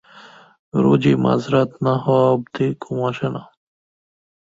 রোজই মাঝরাত না হওয়া অবধি ঘুম আসে না।